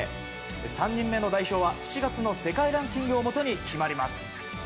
３人目の内定は７月の世界ランキングをもとに決まります。